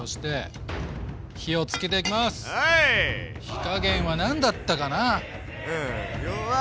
火加減は何だったかな？